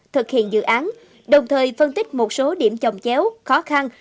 thực hiện dự án đồng thời phân tích một số điểm trồng chéo khó khăn